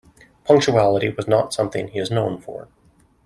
Punctuality was not something he is known for.